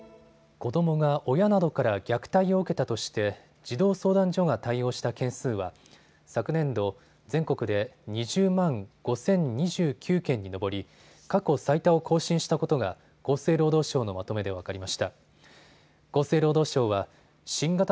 子どもが親などから虐待を受けたとして、児童相談所が対応した件数は昨年度全国で２０万５０２９件に上り、過去最多を更新したことが厚生労働省のまとめで分かりました。